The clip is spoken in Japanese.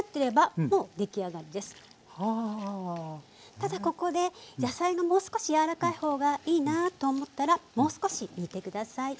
ただここで野菜がもう少しやわらかい方がいいなと思ったらもう少し煮て下さい。